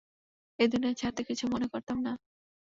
এই দুনিয়া ছাড়তে কিছু মনে করতাম না।